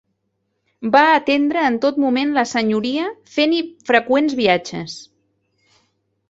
Va atendre en tot moment la senyoria, fent-hi freqüents viatges.